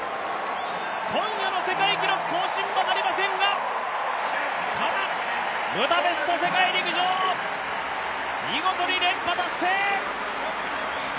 今夜の世界記録はなりませんが、ただ、ブダペスト世界陸上、見事に連覇達成。